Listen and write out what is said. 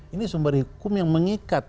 ini sumber hukum yang mengikat